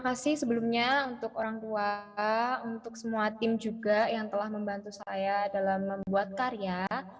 wow selamat buat para pemenangnya selamat ya